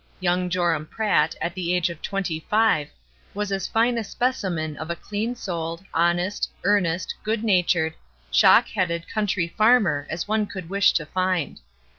Young Joram Pratt, at the age of twenty five, was as fine a specimen of a clean souled, honest, earnest, good natured, shock headed, country farmer as one could wish to find.